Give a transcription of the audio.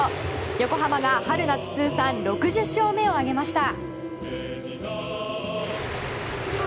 横浜が春夏通算６０勝目を挙げました。